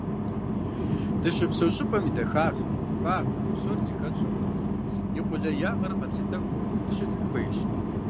Дыщыпсэу щӏыпӏэм и дахагъ, фӏагъ псори зыхэтщӏэу, и къулеягъыр къэтлъытэфу дыщытын хуейщ.